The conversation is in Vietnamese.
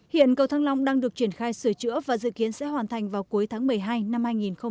hiện cầu thăng long đang được triển khai sửa chữa và dự kiến sẽ hoàn thành vào cuối tháng một mươi hai năm hai nghìn hai mươi